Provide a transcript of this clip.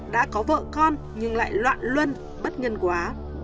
đã có vợ con nhưng lại loạn luân bất nhân quá